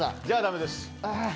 じゃあ駄目です。